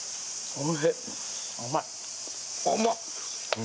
おいしい。